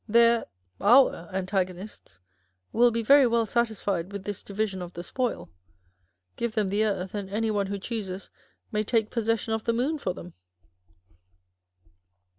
Their, our antagonists will be very well satisfied with this division of the spoil : â€" give them the earth, and any one who chooses may take possession of the moon for them